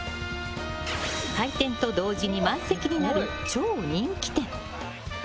開店と同時に満席になる超人気店。